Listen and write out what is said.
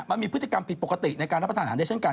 มันมีพฤติกรรมผิดปกติในการรับประทานอาหารได้เช่นกัน